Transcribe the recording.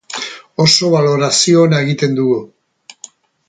Oso balorazio ona egiten dugu.